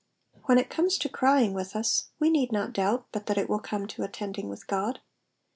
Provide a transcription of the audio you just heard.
When it comes to crying with us, we need not doubt but that it will come to attending with God.